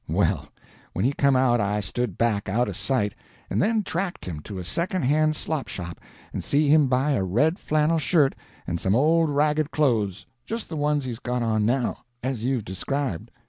Well, when he come out I stood back out of sight, and then tracked him to a second hand slop shop and see him buy a red flannel shirt and some old ragged clothes—just the ones he's got on now, as you've described.